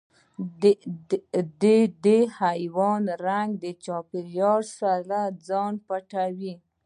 د دې حیوان رنګ د چاپېریال سره ځان پټوي.